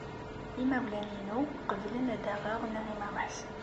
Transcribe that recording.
Imawlan-inu qeblen ad aɣeɣ Naɛima u Ḥsen.